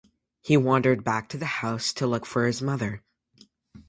He wandered back to the house to look for his mother.